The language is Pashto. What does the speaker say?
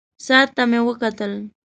ساعت ته مې وکتلې.